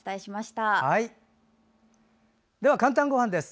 では「かんたんごはん」です。